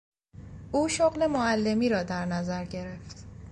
او شغل معلمی را در نظر گرفت.